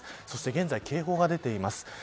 そして現在、警報が出ています。